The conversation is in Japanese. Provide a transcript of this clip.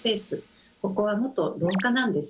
ここは元廊下なんです。